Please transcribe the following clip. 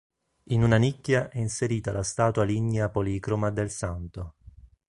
In una nicchia è inserita la statua lignea policroma del santo.